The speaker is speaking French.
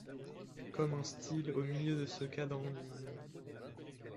Comme un style au milieu de ce cadran du monde